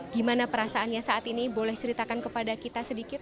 gimana perasaannya saat ini boleh ceritakan kepada kita sedikit